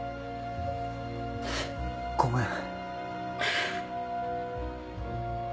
ごめん。